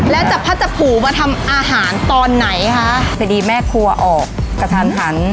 แล้วจับพัชผูมาทำอาหารตอนไหนคะพอดีแม่ครัวออกกระทันหัน